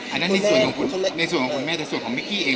อันนั้นในส่วนของคุณแม่แต่ส่วนของเม็กกี้เอง